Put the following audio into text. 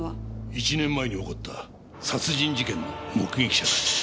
１年前に起こった殺人事件の目撃者だ。